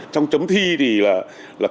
trong chống thi thì là